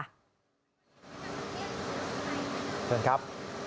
เชิญครับ